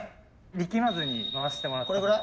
力まずに回してもらったら。